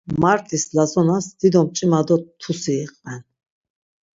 Mart̆is Lazonas dido mç̌ima do tusi iqven.